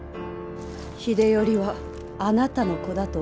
秀頼はあなたの子だとお思い？